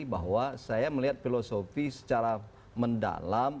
bahwa saya melihat filosofi secara mendalam